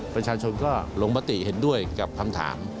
ประชาชนก็ลงมติเห็นด้วยกับคำถาม